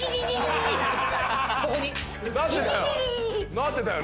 「なってたよ。